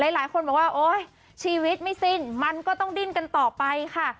หลายคนบอกว่าโอ๊ยชีวิตไม่สิ้นมันก็ต้องดิ้นกันต่อไปค่ะ